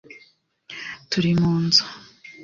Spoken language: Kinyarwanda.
Turi mu nzu